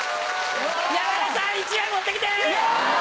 山田さん１枚持って来て！